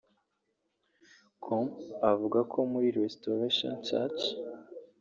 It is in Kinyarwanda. com avuga ko muri Restoration church